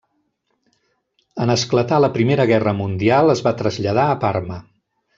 En esclatar la Primera Guerra Mundial es va traslladar a Parma.